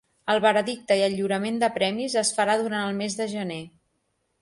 El veredicte i el lliurament de premis es farà durant el mes de gener.